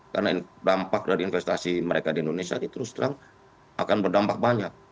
karena dampak dari investasi mereka di indonesia itu setelah akan berdampak banyak